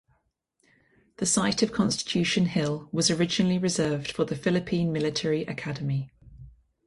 The site of Constitution Hill was originally reserved for the Philippine Military Academy.